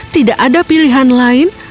tidak ada pilihan lain